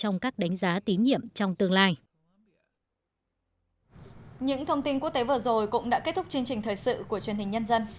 trong thông tin quốc tế vừa rồi cũng đã kết thúc chương trình thời sự của truyền hình nhân dân